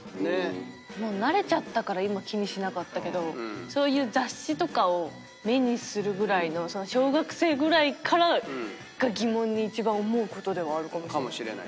もう慣れちゃったから今気にしなかったけどそういう雑誌とかを目にするぐらいの小学生ぐらいからが疑問に一番思うことではあるかもしれない。